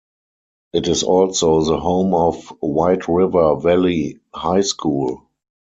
It is also the home of White River Valley High School.